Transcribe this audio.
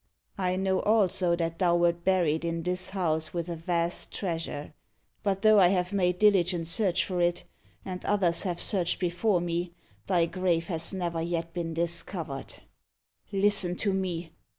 I know, also, that thou wert buried in this house with a vast treasure; but though I have made diligent search for it, and others have searched before me, thy grave has never yet been discovered! Listen to me!